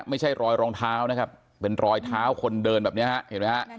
ไม่ใช่รอยรองเท้านะครับเป็นรอยเท้าคนเดินแบบนี้ฮะเห็นไหมฮะ